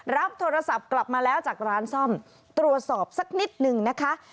รับโทรศัพท์กลับมาแล้วจากร้านซ่อมตรวจสอบสักนิดนึงนะคะ